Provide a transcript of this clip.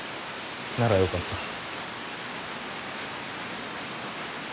ならよかった。